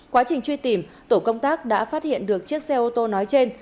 quá trình truy tìm tổ công tác đã phát hiện được chiếc xe ô tô nói trên